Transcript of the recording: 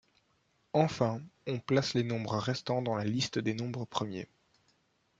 Enfin, on place les nombres restants dans la liste des nombres premiers.